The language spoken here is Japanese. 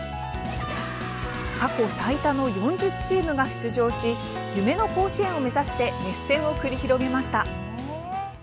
過去最多の４０チームが出場し夢の甲子園を目指して熱戦を繰り広げました。